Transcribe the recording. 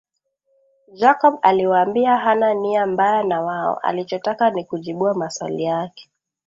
Jacob aliwaambia hana nia mbaya na wao alichotaka ni kujibiwa maswali yake